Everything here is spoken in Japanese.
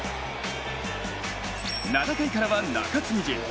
７回からは中継ぎ陣。